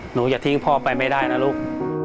หนูจะทิ้งพ่อไปไม่ได้นะลูก